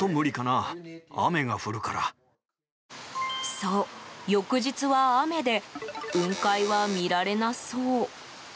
そう、翌日は雨で雲海は見られなそう。